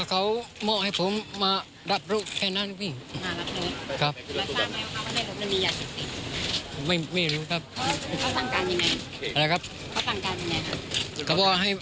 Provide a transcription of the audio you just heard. เอาลูกกลับไปส่งกับลูกพี่